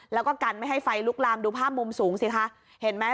แล้วก็กันไม่ให้ไฟลุกลามดูภาพมุมสูงสิคะเห็นไหม